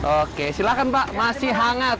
oke silahkan pak masih hangat